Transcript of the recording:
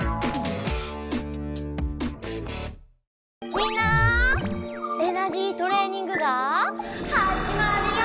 みんなエナジートレーニングがはじまるよ！